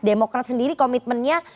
demokrat sendiri komitmennya